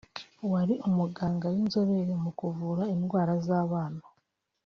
wari umuganga w’inzobere mu kuvura indwara z’abana